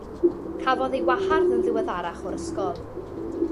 Cafodd ei wahardd yn ddiweddarach o'r ysgol.